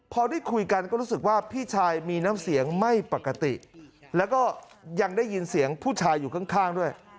พอได้คุยกันก็รู้สึกว่าพี่ชายมีน้ำเสียงไม่ปกติแล้วก็ยังได้ยินเสียงผู้ชายอยู่ข้างด้วย